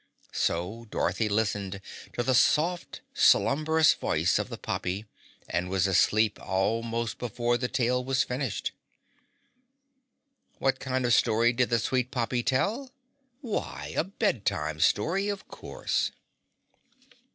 So Dorothy listened to the soft, slumbrous voice of the poppy and was asleep almost before the tale was finished. What kind of a story did the sweet poppy tell? Why, a bedtime story, of course.